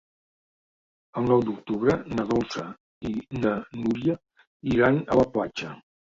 El nou d'octubre na Dolça i na Núria iran a la platja.